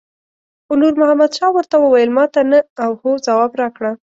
خو نور محمد شاه ورته وویل ماته نه او هو ځواب راکړه.